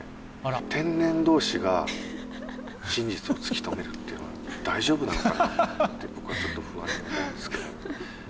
天然どうしが真実を突き止めるっていうのは、大丈夫かなって、僕はちょっと不安に思うんですけど。